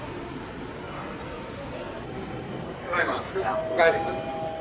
・お帰り。